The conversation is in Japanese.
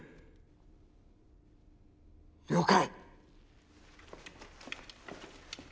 了解。